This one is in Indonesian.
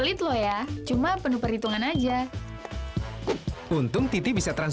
menjaga protokol kesehatan